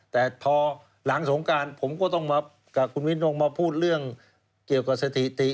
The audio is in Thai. แต่พอหลังสงการผมก็ต้องมากับคุณวินต้องมาพูดเรื่องเกี่ยวกับสถิติ